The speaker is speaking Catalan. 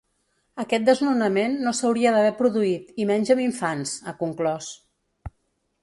Aquest desnonament no s’hauria d’haver produït i menys amb infants, ha conclòs.